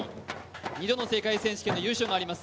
２度の世界選手権での優勝があります。